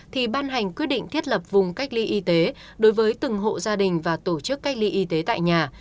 thì ban hành quyết định thiết lập vùng cách ly y tế đối với từng hộ gia đình và tổ chức cách ly y tế tại nhà